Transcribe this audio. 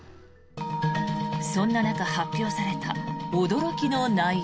そんな中、発表された驚きの内容。